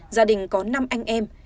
gia đình có năm anh em